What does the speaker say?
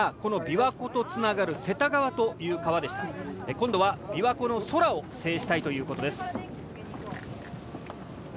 今度は琵琶湖の空を制したいということです。